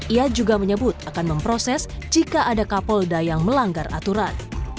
ia juga menyebut akan memproses jika ada kapolda yang melanggar aturan